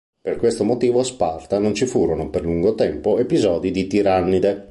Per questo motivo a Sparta non ci furono per lungo tempo episodi di tirannide.